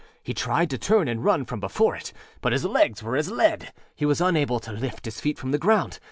He tried to turn and run from before it, but his legs were as lead; he was unable to lift his feet from the ground.